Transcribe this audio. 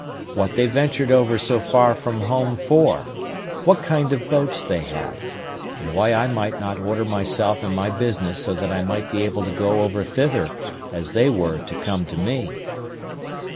what they ventured over so far from home for? what kind of boats they had? and why I might not order myself and my business so that I might be able to go over thither, as they were to come to me?